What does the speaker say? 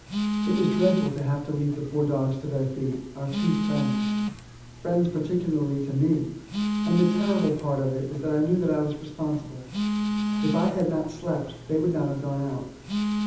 It was dreadful to have to leave the poor dogs to their fate our two friends; friends particularly to me. And the terrible part of it was that I knew that I was responsible. If I had not slept they would not have gone out.